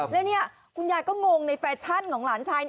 แล้วนี่คุณยายก็งงในแฟชั่นของหลานชาย